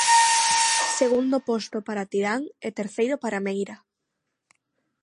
Segundo posto para Tirán e terceiro para Meira.